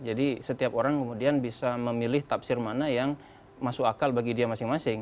jadi setiap orang kemudian bisa memilih tafsir mana yang masuk akal bagi dia masing masing